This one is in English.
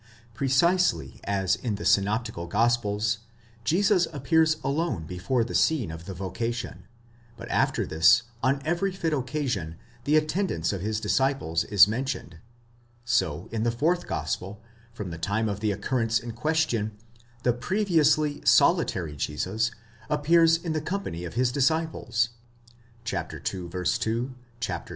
Pre cisely as in the synoptical gospels, Jesus appears alone before the scene of the vocation, but after this on every fit occasion the attendance of his disciples is mentioned: so in the fourth gospel, from the time of the occurrence in ques tion, the previously solitary Jesus appears in the company of his disciples (ii, 2, ΧΙ. 17, lil.